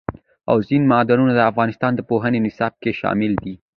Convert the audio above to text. اوبزین معدنونه د افغانستان د پوهنې نصاب کې شامل دي.